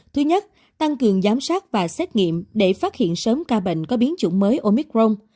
thứ nhất tăng cường giám sát và xét nghiệm để phát hiện sớm ca bệnh có biến chủng mới omicron